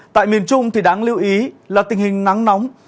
tại miền trung thì đáng lưu ý là tình hình nắng nóng